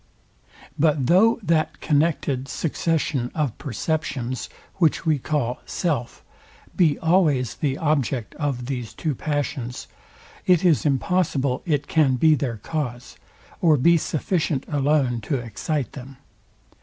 But though that connected succession of perceptions, which we call SELF, be always the object of these two passions, it is impossible it can be their CAUSE, or be sufficient alone to excite them.